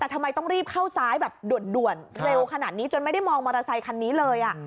แต่ทำไมต้องรีบเข้าซ้ายแบบด่วนเร็วขนาดนี้จนไม่ได้มองมอเตอร์ไซคันนี้เลย